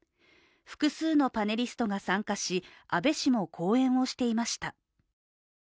複数のパネリストが参加し安倍氏も講演をしていました。